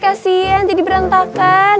kasian jadi berantakan